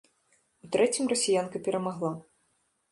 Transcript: У трэцім расіянка перамагла.